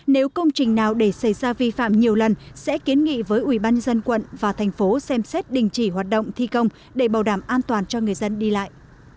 nếu công trình nào để xảy ra vi phạm nhiều lần sẽ kiến nghị với ubnd quận và thành phố xem xét đình chỉ hoạt động thi công để bảo đảm an toàn cho người dân đi lại